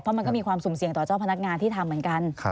เพราะมันก็มีความสุ่มเสี่ยงต่อเจ้าพนักงานที่ทำเหมือนกัน